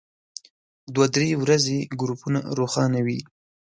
دوه درې ورځې ګروپونه روښانه وي.